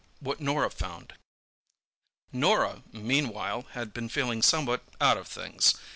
WHAT NORAH FOUND Norah, meanwhile, had been feeling somewhat "out of things."